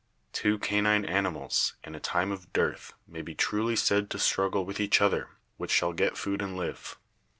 Two canine animals, in a time of dearth, may be truly said to struggle with each other which shall get food and live.